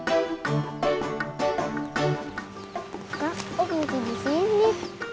oh kayaknya di sini